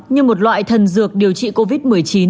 như một loại thần dược điều trị covid một mươi chín